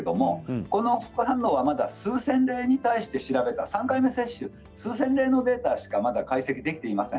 この副反応は数千例に対して調べた３回目の接種、数千例のデータしか解析できていません。